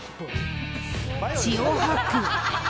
血を吐く。